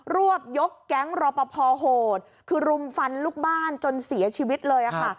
วบยกแก๊งรอปภโหดคือรุมฟันลูกบ้านจนเสียชีวิตเลยค่ะ